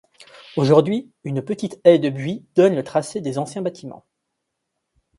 Aujourd'hui, une petite haie de buis donne le tracé des anciens bâtiments.